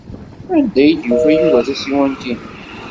Anda ay d-yufa Yuba tasiwant-inu?